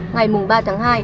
ngày ba tháng hai